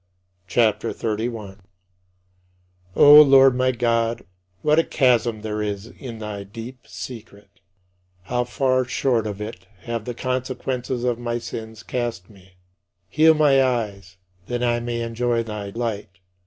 CHAPTER XXXI 41. O Lord my God, what a chasm there is in thy deep secret! How far short of it have the consequences of my sins cast me? Heal my eyes, that I may enjoy thy light.